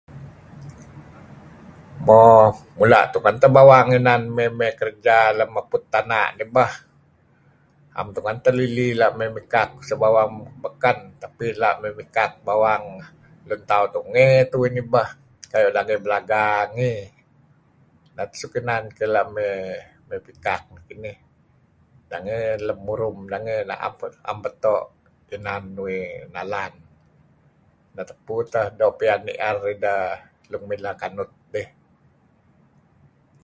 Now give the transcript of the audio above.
Mo mula' tungen teh bawang inan mey-mey kerja lem meput tana' nih pah. Am tungen teh lili la mey mikak sah bawang baken tapi la' mey mikak bawang lun tauh tungey tuih nih bah, kayu' nangey Belaga ngi. Neh suk inan kuh la' may pikak kinih, nangey lem Murum nangey na'em beto' inan uih nalan. Neh tupu teh doo' pian nier ideh nuk mileh kanut dih.